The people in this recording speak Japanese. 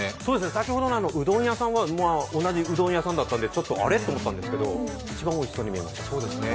先ほどのうどん屋さんは同じうどん屋さんだったんでちょっとあれ？と思ったんですけどおいしそうに見えました。